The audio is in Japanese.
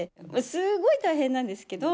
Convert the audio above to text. すごい大変なんですけど。